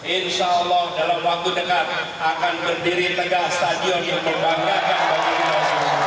insya allah dalam waktu dekat akan berdiri tegak stadion yang berbangga dengan bapak ibu